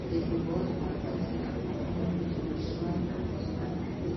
د هېواد مرکز د افغانانو ژوند اغېزمن کوي.